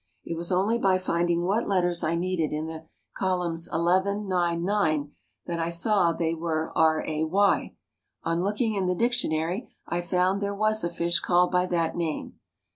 It was only by finding what letters I needed in the columns 11, 9, 9 that I saw they were r a y. On looking in the dictionary I found there was a fish called by that name.